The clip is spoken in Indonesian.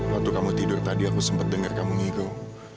waktu kamu tidur tadi aku sempat dengar kamu ngikum